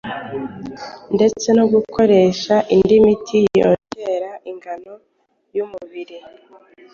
ndetse no gukoresha indi miti yongera ingano y’umubiri